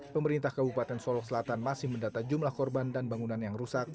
pemerintah kabupaten solok selatan masih mendata jumlah korban dan bangunan yang rusak